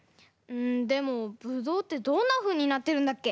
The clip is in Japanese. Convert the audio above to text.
んでもブドウってどんなふうになってるんだっけ？